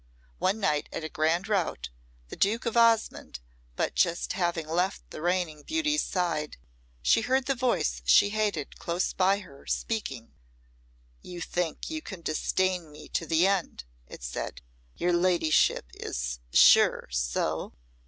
One night at a grand rout, the Duke of Osmonde but just having left the reigning beauty's side, she heard the voice she hated close by her, speaking. "You think you can disdain me to the end," it said. "Your ladyship is sure so?"